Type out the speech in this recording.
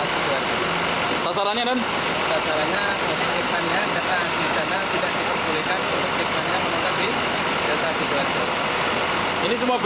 sasarannya nanti ikutannya datang ke sana tidak cukup bolehkan untuk cek mania menganggapin delta sidoarjo